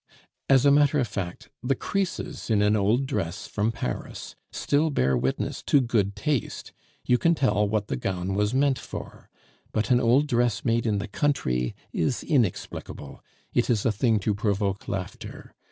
As a matter of fact, the creases in an old dress from Paris still bear witness to good taste, you can tell what the gown was meant for; but an old dress made in the country is inexplicable, it is a thing to provoke laughter.